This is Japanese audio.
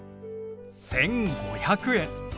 １５００円。